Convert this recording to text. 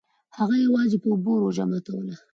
هغه یوازې په اوبو روژه ماتوله.